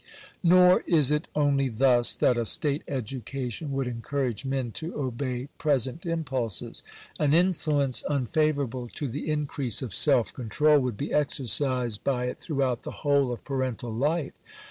Nor is it only thus that a state education would encourage Digitized by VjOOQIC NATIONAL EDUCATION. 355 men to obey present impulses. An influence unfavourable to the increase of self control would be exercised by it throughout the whole of parental life.